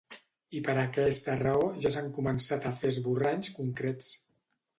I per aquesta raó ja s’han començat a fer esborranys concrets.